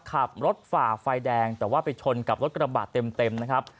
ขับรถฝ่าไฟแดงแต่ว่าไปชนกับรถกระบาดเต็มนะครับ